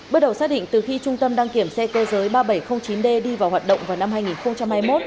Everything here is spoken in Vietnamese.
bước đầu xác định từ khi trung tâm đăng kiểm xe cơ giới ba nghìn bảy trăm linh chín d đi vào hoạt động vào năm hai nghìn hai mươi một